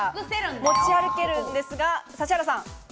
持ち歩けるんですが、指原さん。